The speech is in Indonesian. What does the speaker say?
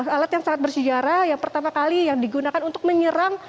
alat yang sangat bersejarah yang pertama kali yang digunakan untuk menyerang